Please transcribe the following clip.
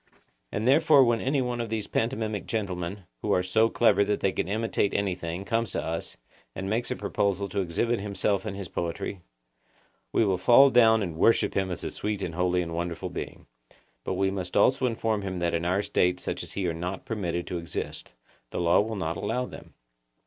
And therefore when any one of these pantomimic gentlemen, who are so clever that they can imitate anything, comes to us, and makes a proposal to exhibit himself and his poetry, we will fall down and worship him as a sweet and holy and wonderful being; but we must also inform him that in our State such as he are not permitted to exist; the law will not allow them.